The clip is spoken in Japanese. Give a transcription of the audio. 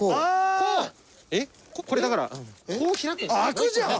これだからこう開くんです。